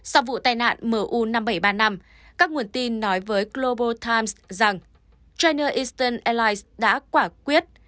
sau vụ tai nạn mở u năm nghìn bảy trăm ba mươi năm các nguồn tin nói với global times rằng china eastern airlines đã quả quyết